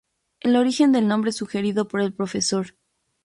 El origen del nombre sugerido por el Prof.